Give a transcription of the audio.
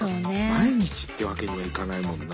毎日ってわけにもいかないもんな。